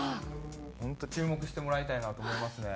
本当注目してもらいたいなと思いますね。